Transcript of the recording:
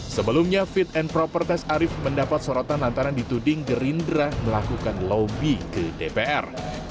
sebelumnya fit and properties arief mendapat sorotan antara dituding gerindra melakukan lobby ke dpr